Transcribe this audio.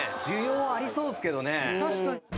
需要ありそうっすけどね。